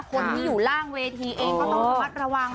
คนที่อยู่ล่างเวทีเองก็ต้องระมัดระวัง